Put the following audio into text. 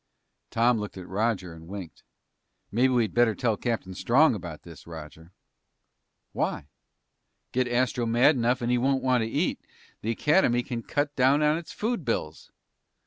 Tom looked at Roger and winked. "Maybe we'd better tell Captain Strong about this, Roger." "Why?" "Get Astro mad enough and he won't want to eat. The Academy can cut down on its food bills."